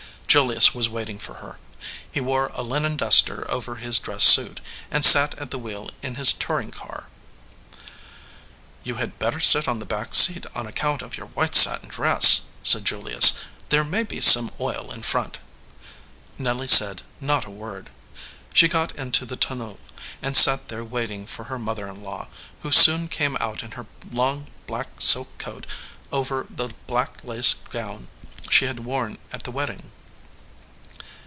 Julius was waiting for her. He wore a linen duster over his dress suit, and sat at the wheel in his touring car. "You had better sit on the back seat on account of your white satin dress," said Julius. "There may be some oil in front. * Nelly said not a word. She got into the tonneau, and sat there waiting for her mother in law, who soon came out in her long black silk coat over the black lace gown she had worn at the wedding.